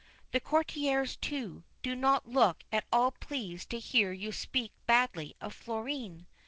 The courtiers, too, do not look at all pleased to hear you speak badly of Florine.'